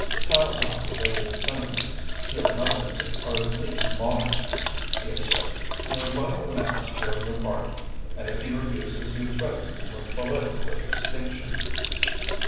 Tallente laughed a little cynically. "Your methods are at least modern," he observed. "You invite a man to join your party, and if he refuses you threaten him with political extinction."